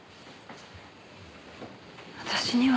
私には。